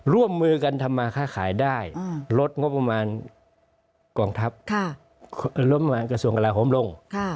ร่วมมือกันทำมาค่าขายได้ลดงบประมาณกองทัพงบประมาณกระทรวงกลาโหมลง